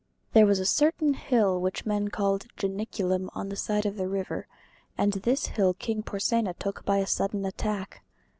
] There was a certain hill which men called Janiculum on the side of the river, and this hill King Porsenna took by a sudden attack.